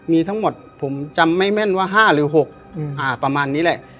มีทั้งหมดผมจำไม่แม่นว่าห้าหรือหกอืมอ่าประมาณนี้แหละ